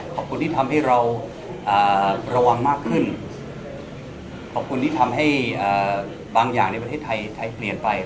ขอบคุณที่ทำให้เราระวังมากขึ้นขอบคุณที่ทำให้บางอย่างในประเทศไทยใช้เปลี่ยนไป